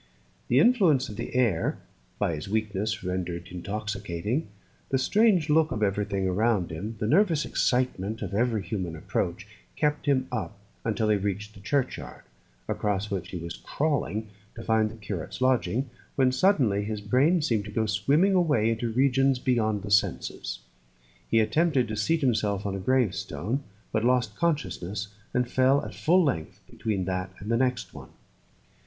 The influence of the air by his weakness rendered intoxicating, the strange look of everything around him, the nervous excitement of every human approach, kept him up until he reached the churchyard, across which he was crawling, to find the curate's lodging, when suddenly his brain seemed to go swimming away into regions beyond the senses. He attempted to seat himself on a grave stone, but lost consciousness, and fell at full length between that and the next one.